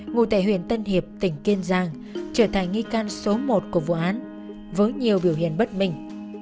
ngụ tẻ huyền tân hiệp tỉnh kiên giang trở thành nghi can số một của vụ án với nhiều biểu hiện bắt minh